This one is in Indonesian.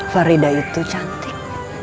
farida itu cantik